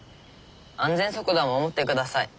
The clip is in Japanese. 安全速度は守ってください。